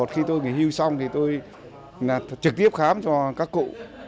khi tôi nghỉ hưu xong tôi trực tiếp khám cho các cụ